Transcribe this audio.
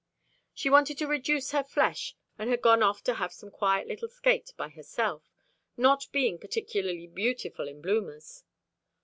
She wanted to reduce her flesh, and had gone off to have a quiet little skate by herself, not being particularly beautiful in bloomers.